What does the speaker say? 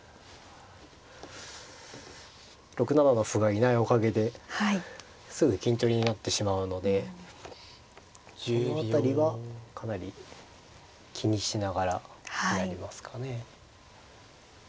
６七の歩がいないおかげですぐ金取りになってしまうのでその辺りはかなり気にしながらになりますかね。